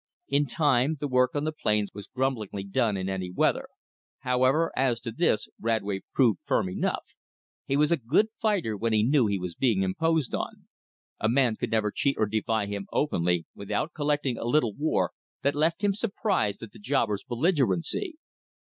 In time the work on the plains was grumblingly done in any weather. However, as to this Radway proved firm enough. He was a good fighter when he knew he was being imposed on. A man could never cheat or defy him openly without collecting a little war that left him surprised at the jobber's belligerency.